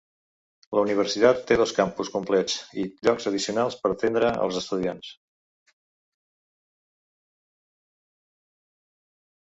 La universitat té dos campus complets i llocs addicionals per atendre els estudiants.